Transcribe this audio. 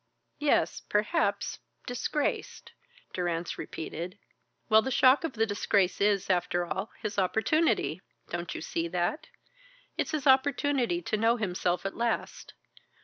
"Yes, perhaps disgraced," Durrance repeated. "Well, the shock of the disgrace is, after all, his opportunity. Don't you see that? It's his opportunity to know himself at last.